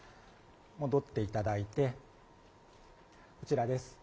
戻っていただいて、こちらです。